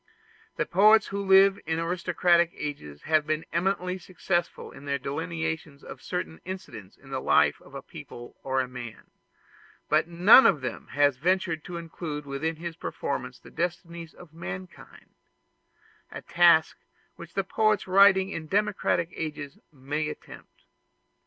The poets who lived in aristocratic ages have been eminently successful in their delineations of certain incidents in the life of a people or a man; but none of them ever ventured to include within his performances the destinies of mankind a task which poets writing in democratic ages may attempt.